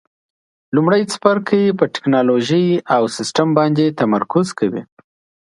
لومړی څپرکی په ټېکنالوجي او سیسټم باندې تمرکز کوي.